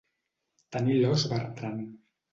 Tenir l'os bertran.